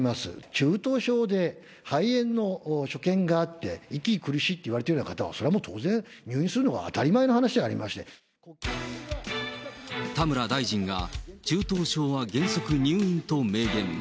中等症で肺炎の所見があって、息苦しいと言われているような方は、それはもう、当然入院するの田村大臣が、中等症は原則入院と明言。